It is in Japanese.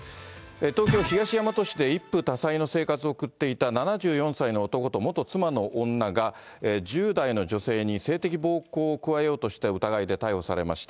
東京・東大和市で一夫多妻の生活を送っていた７４歳の男と元妻の女が、１０代の女性に性的暴行を加えようとした疑いで逮捕されました。